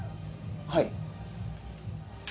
はい？